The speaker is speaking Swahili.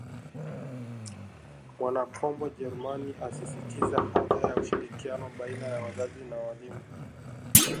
Mwanakombo Jarumani amesisitiza haja ya ushirikiano baina ya wazazi na walimu